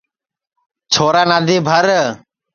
چھورا نادی بھر